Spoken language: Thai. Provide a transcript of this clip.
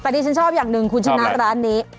แต่ดิฉันชอบอย่างหนึ่งคุณชนะร้านนี้